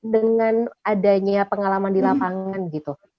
dengan adanya pengalaman di lapangan gitu